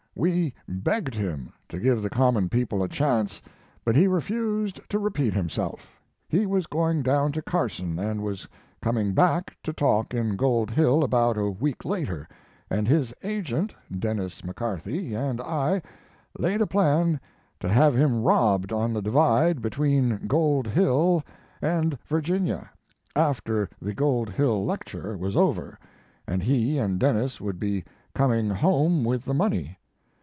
We begged him to give the common people a chance; but he refused to repeat himself. He was going down to Carson, and was coming back to talk in Gold Hill about a week later, and his agent, Denis McCarthy, and I laid a plan to have him robbed on the Divide between Gold Hill and Virginia, after the Gold Hill lecture was over and he and Denis would be coming home with the money.